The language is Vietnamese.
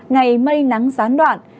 ngày mây nắng gián đoạn